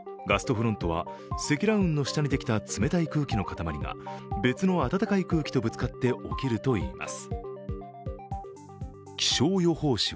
フロントは、積乱雲の下にできた冷たい空気の塊が別の暖かい空気とぶつかって起きるといいます。